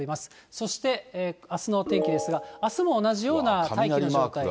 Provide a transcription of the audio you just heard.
そして、あすの天気ですが、あすも同じような大気の状態。